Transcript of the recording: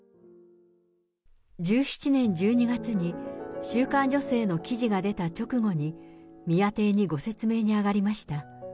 １７年１２月に、週刊女性の記事が出た直後に、宮邸にご説明に上がりました。